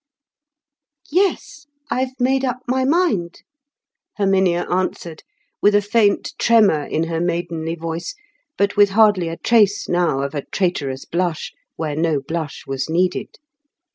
"Yes, I've made up my mind," Herminia answered, with a faint tremor in her maidenly voice, but with hardly a trace now of a traitorous blush, where no blush was needed.